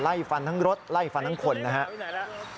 พี่พี่พี่